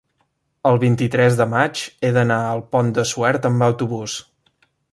el vint-i-tres de maig he d'anar al Pont de Suert amb autobús.